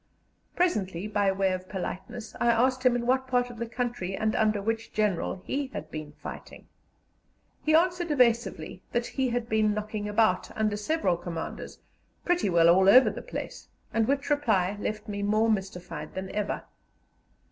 Presently, by way of politeness, I asked him in what part of the country, and under which General, he had been fighting. He answered evasively that he had been knocking about, under several commanders, pretty well all over the place, which reply left me more mystified than ever.